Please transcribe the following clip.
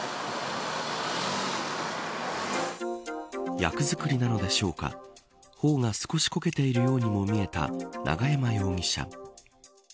役作りなのでしょうかほおが少しこけているようにも見えた永山容疑者。